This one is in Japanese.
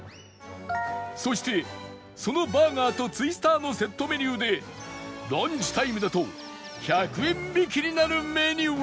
そしてそのバーガーとツイスターのセットメニューでランチタイムだと１００円引きになるメニューや